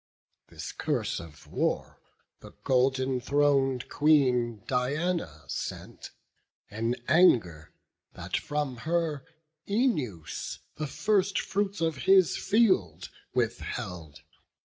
This curse of war the golden throned Queen Diana sent, in anger that from her Œneus the first fruits of his field withheld.